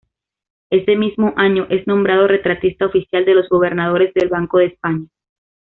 Ese mismo año, es nombrado retratista oficial de los gobernadores del Banco de España.